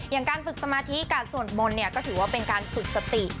อย่างการฝึกสมาธิการสวดมนต์เนี่ยก็ถือว่าเป็นการฝึกสติ